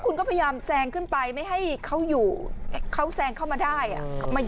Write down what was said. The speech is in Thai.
คุณก็พยายามแซงขึ้นไปไม่ให้เขาอยู่เขาแซงเข้ามาได้อ่ะ